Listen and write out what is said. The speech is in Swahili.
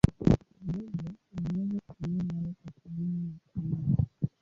Vile vile, aliweza kutumia mawe kwa kulima na kuwinda.